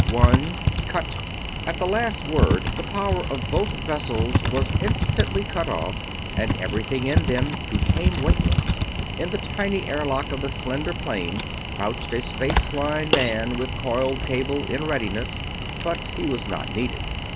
One! CUT!" At the last word the power of both vessels was instantly cut off and everything in them became weightless. In the tiny airlock of the slender plane crouched a space line man with coiled cable in readiness, but he was not needed.